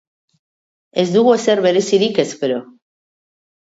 Ez dugu ezer berezirik espero.